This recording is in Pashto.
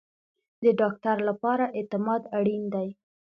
د ډاکټر لپاره اعتماد اړین دی